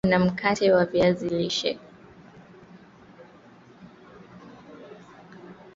Kuna mkate wa viazi lishe